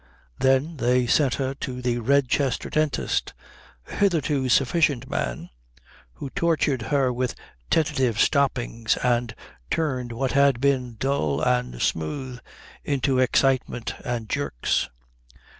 Then they sent her to the Redchester dentist, a hitherto sufficient man, who tortured her with tentative stoppings and turned what had been dull and smooth into excitement and jerks.